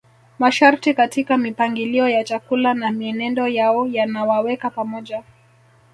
Masharti katika mipangilio ya chakula na mienendo yao yanawaweka pamoja